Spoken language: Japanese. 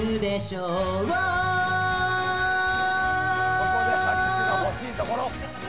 ここで拍手が欲しいところ。